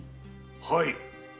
はい。